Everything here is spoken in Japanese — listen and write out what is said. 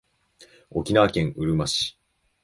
沖縄県うるま市